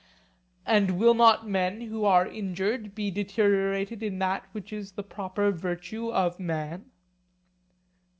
And will not men who are injured be deteriorated in that which is the proper virtue of man?